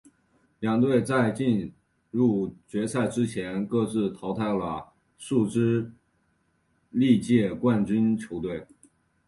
两队在进入决赛之前各自淘汰了数支历届冠军球队。